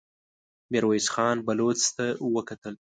ميرويس خان بلوڅ ته وکتل.